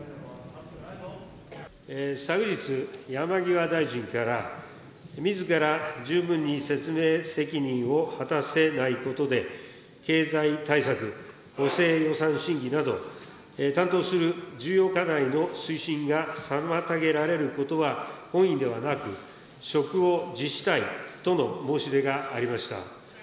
昨日、山際大臣から、みずから十分に説明責任を果たせないことで、経済対策、補正予算審議など、担当する重要課題の推進が妨げられることは本意ではなく、職を辞したいとの申し出がありました。